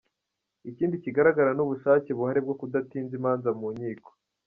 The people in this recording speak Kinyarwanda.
Ikindi kigaragara ni ubushake buhari bwo kudatinza imanza mu nkiko.